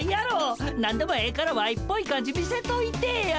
何でもええからワイっぽい感じ見せといてぇや！